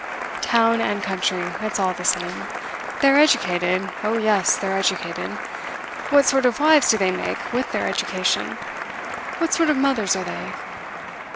Town and country, it's all the same. They're educated; oh yes, they're educated! What sort of wives do they make, with their education? What sort of mothers are they?